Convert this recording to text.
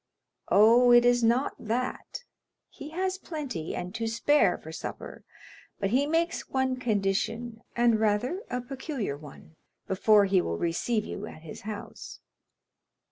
"Oh, it is not that; he has plenty, and to spare, for supper; but he makes one condition, and rather a peculiar one, before he will receive you at his house."